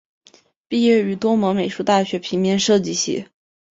毕业于多摩美术大学平面设计系。